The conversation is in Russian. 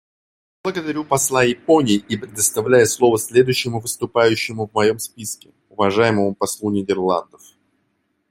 Благодарю посла Японии и предоставляю слово следующему выступающему в моем списке — уважаемому послу Нидерландов.